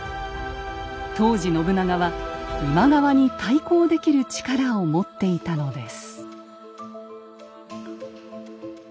当時信長は今川に対抗できる力を持っていたのです。